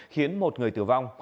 khiến một người tử vong